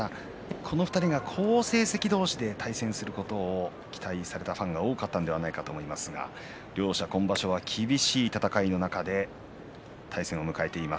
この２人が好成績同士で対戦することを期待していたファンも多かったと思います。両者、今場所は厳しい戦いの中で対戦を迎えています。